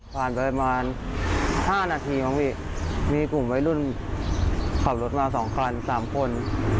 ผ่านไปประมาณ๕นาทีมั้งพี่มีกลุ่มวัยรุ่นขับรถมา๒คัน๓คน